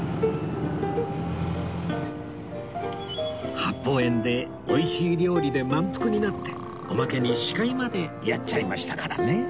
八芳園で美味しい料理で満腹になっておまけに司会までやっちゃいましたからね